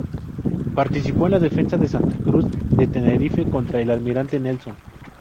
Participó en la defensa de Santa Cruz de Tenerife contra el Almirante Nelson.